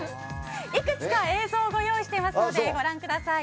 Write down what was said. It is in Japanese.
幾つか映像をご用意していますのでご覧ください。